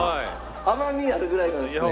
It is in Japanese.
甘みあるぐらいなんですね。